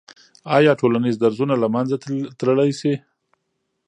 آیا ټولنیز درزونه له منځه تللی سي؟